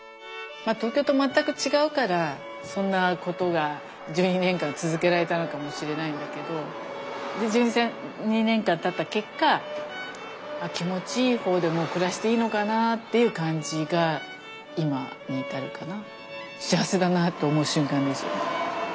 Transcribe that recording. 東京と全く違うからそんなことが１２年間続けられたのかもしれないんだけどで１２年間たった結果気持ちいい方でもう暮らしていいのかなっていう感じが今に至るかな。